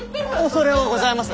恐れ多うございます。